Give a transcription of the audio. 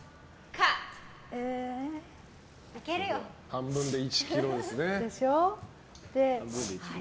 半分で１ｋｇですね。